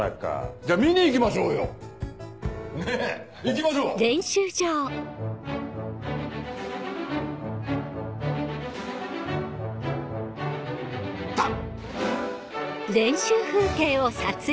じゃあ見にいきましょうよ！ねぇ行きましょう！ダン！